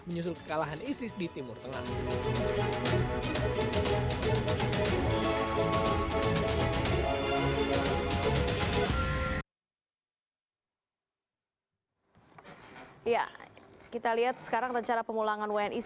menyusul kekalahan isis di timur tengah